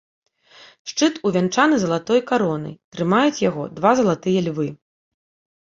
Шчыт увянчаны залатой каронай, трымаюць яго два залатыя львы.